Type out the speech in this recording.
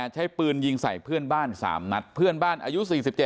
ใช้ปืนยิงใส่เพื่อนบ้าน๓นัดเพื่อนบ้านอายุ๔๗